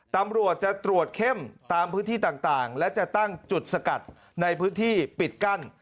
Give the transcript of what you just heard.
ตำรวจจะตรวจเข้มตามพื้นที่ต่างและจะตั้งจุดสกัดในพื้นที่ปิดกั้น